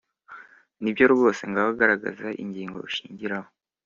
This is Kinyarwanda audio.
ni byo rwose, ngaho garagaza ingingo ushingiraho.